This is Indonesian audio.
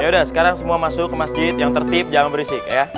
ya udah sekarang semua masuk ke masjid yang tertib jangan berisik ya